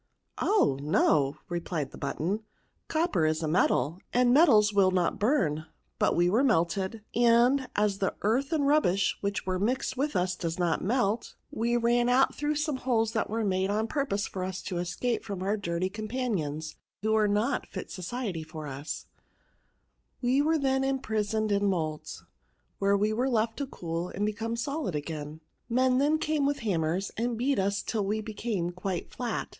" Oh ! no," replied the button ;" copper is a metal, and metals will not burn ; but we were melted ; and, as the earth and rubbish which were mixed with us does not melt, we 180 PRONOUNS. ran out througli some holes that were made on purpose for us to escape &om our dirty com panions, who were not fit sodetj for us* We were then imprisoned in moulds, where we were left to cool and become solid again* Men then came with hammers, and beat us tiU we became quite flat.